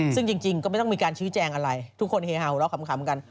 ซึ่งจริงก็ไม่ต้องมีการชี้แจงอะไรทุกคนเฮฮาหัวเราะขำกัน